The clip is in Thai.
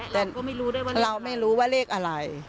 และเราก็ไม่รู้ได้ว่าเลขอะไรเราไม่รู้ว่าเลขอะไร